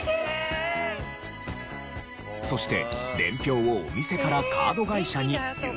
そして伝票をお店からカード会社に郵送。